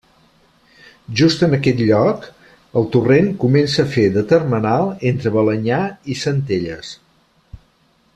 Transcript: Just en aquest lloc el torrent comença a fer de termenal entre Balenyà i Centelles.